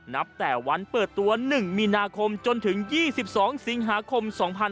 นับแต่วันเปิดตัว๑มีนาคมจนถึง๒๒สิงหาคม๒๕๖๒